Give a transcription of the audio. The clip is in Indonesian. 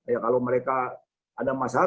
ya kalau mereka ada masalah